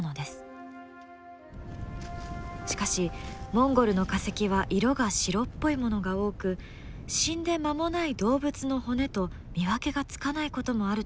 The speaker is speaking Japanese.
しかしモンゴルの化石は色が白っぽいものが多く死んで間もない動物の骨と見分けがつかないこともあるといいます。